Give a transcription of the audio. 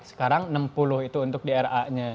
sekarang enam puluh itu untuk dra nya